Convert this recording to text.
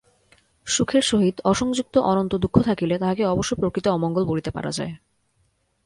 সুখের সহিত অসংযুক্ত অনন্ত দুঃখ থাকিলে তাহাকে অবশ্য প্রকৃত অমঙ্গল বলিতে পারা যায়।